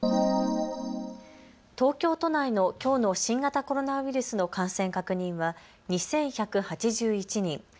東京都内のきょうの新型コロナウイルスの感染確認は２１８１人。